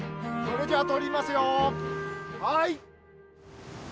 それじゃ撮りますよ、はい！